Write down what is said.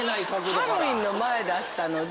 ハロウィーンの前だったので。